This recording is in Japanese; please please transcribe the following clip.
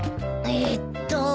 えっと。